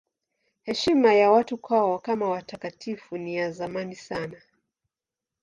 Heshima ya watu kwao kama watakatifu ni ya zamani sana.